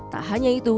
tak hanya itu